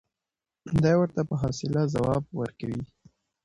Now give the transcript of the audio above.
دی ورته په حوصله ځواب ورکوي.